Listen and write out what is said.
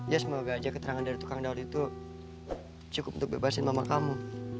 ya semoga aja keterangan dari tukang daud itu cukup untuk bebasin mama kamu